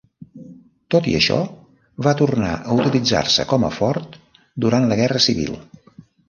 Tot i això, va tornar a utilitzar-se com a fort durant la Guerra Civil.